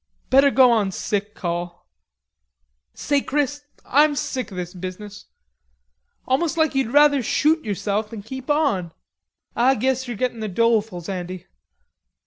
"Better go on sick call.... Say, Chris, I'm sick of this business.... Almost like you'd rather shoot yourself than keep on." "Ah guess you're gettin' the dolefuls, Andy.